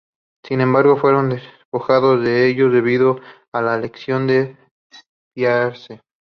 Sin embargo, fueron despojados de ellos debido a una lesión de Pierce.